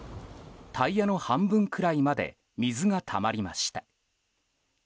タイヤの半分くらいまで水がたまりました。